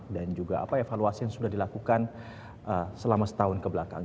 dan juga apa evaluasi yang sudah dilakukan selama setahun kebelakang